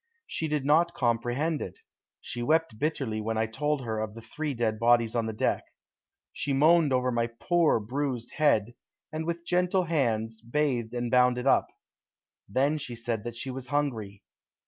She did not comprehend it. She wept bitterly when I told her of the three dead bodies on the deck. She moaned over my "poor, bruised head," and with gentle hands bathed and bound it up. Then she said that she was hungry.